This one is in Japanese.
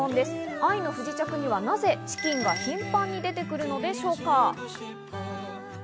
『愛の不時着』には、なぜチキンが頻繁に出てくるのでしょうか。